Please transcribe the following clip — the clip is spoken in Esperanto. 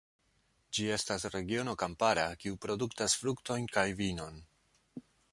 Ĝi estas regiono kampara, kiu produktas fruktojn kaj vinon.